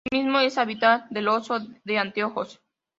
Asimismo es hábitat del oso de anteojos.